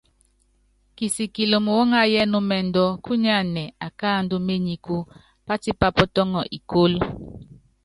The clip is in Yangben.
Pisikili muúŋayɔ ɛnúmɛndɔ kúnyánɛ akáandɔ ményiku, pátípa pɔtɔŋɔ ikólo.